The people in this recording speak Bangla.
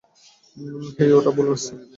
হেই, ওটা ভুল রাস্তা!